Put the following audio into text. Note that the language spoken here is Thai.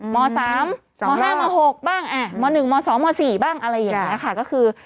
ม๓ม๕ม๖บ้างม๑ม๒ม๔บ้างอะไรอย่างนี้ค่ะก็คือ